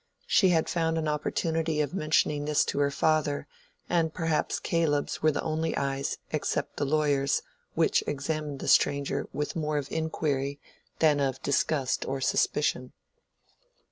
She had found an opportunity of mentioning this to her father, and perhaps Caleb's were the only eyes, except the lawyer's, which examined the stranger with more of inquiry than of disgust or suspicion.